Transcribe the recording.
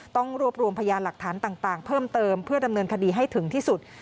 ต้องรวบรวมพยานหลักฐานต่างเพิ่มเติมเพื่อดำเนินคดีให้ถึงที่สุด